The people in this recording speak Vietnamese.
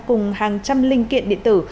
cùng hàng trăm linh kiện điện tử